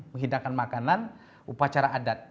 menghidangkan makanan upacara adat